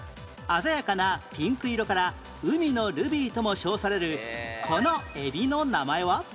鮮やかなピンク色から海のルビーとも称されるこのエビの名前は？